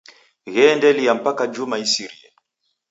Gheendelia mpaka juma isirie.